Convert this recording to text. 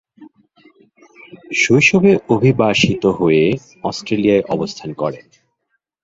শৈশবে অভিবাসিত হয়ে অস্ট্রেলিয়ায় অবস্থান করেন।